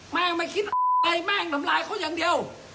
แม่งไม่คิดอะไรแม่งทำร้ายเขาอย่างเดียว